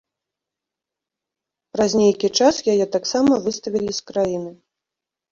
Праз нейкі час яе таксама выставілі з краіны.